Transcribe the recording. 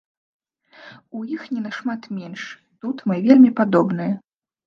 У іх не нашмат менш, тут мы вельмі падобныя.